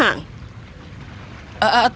tunggu kau akan mencari dia